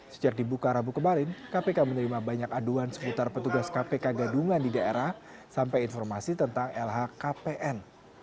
sejak dibuka rabu kemarin kpk menerima banyak aduan seputar petugas kpk gadungan di daerah sampai informasi tentang lhkpn